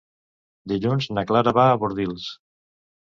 Dilluns na Clara va a Bordils.